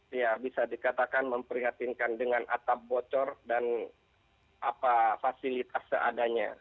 ya bisa dikatakan memprihatinkan dengan atap bocor dan apa fasilitas seadanya